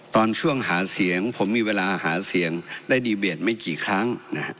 ตอนช่วงหาเสียงผมมีเวลาหาเสียงได้ดีเบตไม่กี่ครั้ง